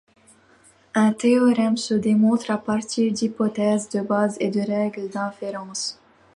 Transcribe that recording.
Un théorème se démontre à partir d'hypothèses de base et de règles d'inférence.